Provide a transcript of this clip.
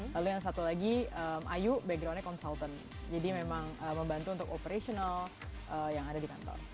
lalu yang satu lagi ayu backgroundnya konsultant jadi memang membantu untuk operational yang ada di kantor